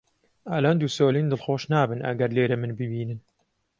ئەلەند و سۆلین دڵخۆش نابن ئەگەر لێرە من ببینن.